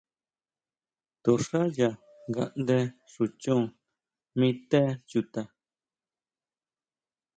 To xá ya ngaʼnde xú chon mi té chuta.